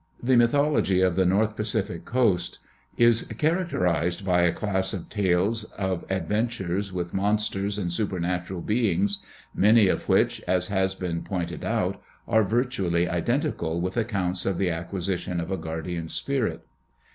The mythology of the North Pacific coast is characterized by VOL. 2.] Kroeber. Types of Indian Culture in California. 93 a class of tales of adventures with monsters and supernatural beings, many of which, as has been pointed out, are virtually identical with accounts of the acquisition of a guardian spirit.